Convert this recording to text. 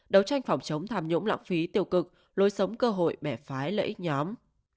đấu tranh phòng chống tham nhũng lãng phí tiêu cực lối sống cơ hội bẻ phái lợi ích nhóm